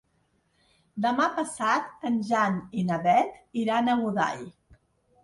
Demà passat en Jan i na Beth iran a Godall.